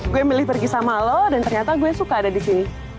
gue milih pergi sama lo dan ternyata gue suka ada di sini